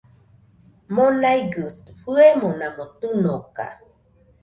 Monaigɨ fɨemonamo tɨnoka